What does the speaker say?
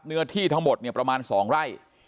เนื้อที่ทั้งหมดประมาณสองไร่